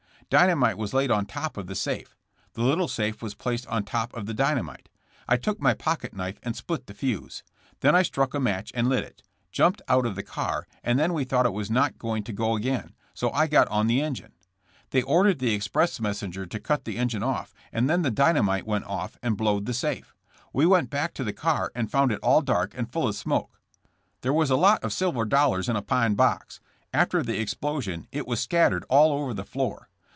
Dynamite was laid on top of the safe; The little safe was placed on top of the dynamite. I took my pocket knife and split the fuse. Then I struck a match and lit it, jumped out of the car, and then we thought it was not going to go again, so I got on the engine. They ordered the express messenger to cut the engine off, and then the dynamite went off and blowed the safe. We went back to the car and found it all dark and full of smoke. There was d lot of silver dollars in a pine box. After the explosion it was scattered all over the floor.